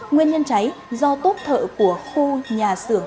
nguyên nhân cháy do tốt thợ của khu nhà xưởng